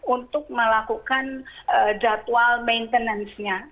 untuk melakukan jadwal maintenance nya